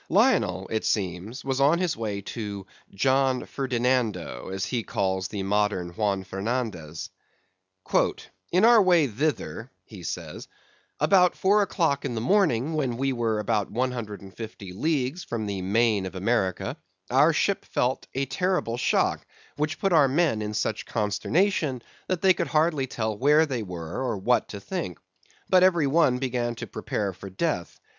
Lionel, it seems, was on his way to "John Ferdinando," as he calls the modern Juan Fernandes. "In our way thither," he says, "about four o'clock in the morning, when we were about one hundred and fifty leagues from the Main of America, our ship felt a terrible shock, which put our men in such consternation that they could hardly tell where they were or what to think; but every one began to prepare for death.